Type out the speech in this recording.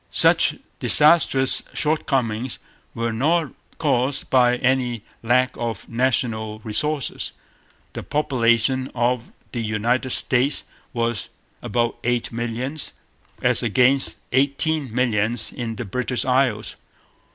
Such disastrous shortcomings were not caused by any lack of national resources. The population o the United States was about eight millions, as against eighteen millions in the British Isles.